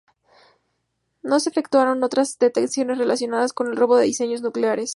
No se efectuaron otras detenciones relacionadas con el robo de diseños nucleares.